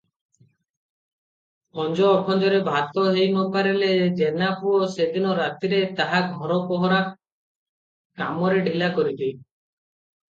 ଖଞ୍ଜ ଅଖଞ୍ଜରେ ଭାତ ହେଇନପାରିଲେ ଜେନାପୁଅ ସେଦିନ ରାତିରେ ତାହା ଘର ପହରା କାମରେ ଢିଲା କରିଦିଏ ।